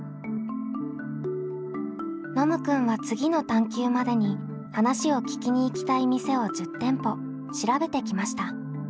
ノムくんは次の探究までに話を聞きに行きたい店を１０店舗調べてきました。